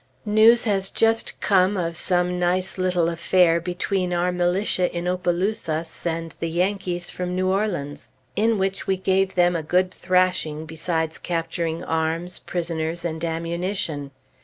News has just come of some nice little affair between our militia in Opelousas and the Yankees from New Orleans, in which we gave them a good thrashing, besides capturing arms, prisoners, and ammunition.